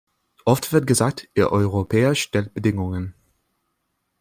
Oft wird gesagt "Ihr Europäer stellt Bedingungen!